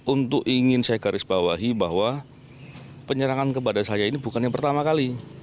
untuk ingin saya garis bawahi bahwa penyerangan kepada saya ini bukan yang pertama kali